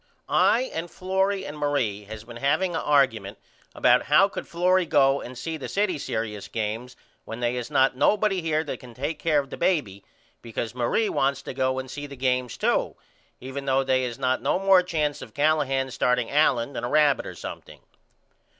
I and Florrie and Marie has been haveing a argument about how could Florrie go and see the city serious games when they is not nobody here that can take care of the baby because Marie wants to go and see the games to even though they is not no more chance of Callahan starting Allen than a rabbit or something.